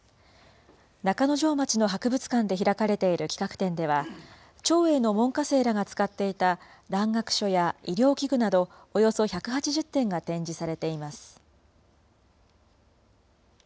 中之条町の博物館で開かれている企画展では、長英の門下生らが使っていたらん学書や医療器具など、およそ１８０点が展示されています。